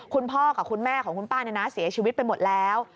คุณพ่อกับคุณแม่ของคุณป้าเนี่ยนะเสียชีวิตไปหมดแล้ว